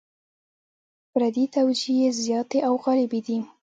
فردي توجیې زیاتې او غالبې دي.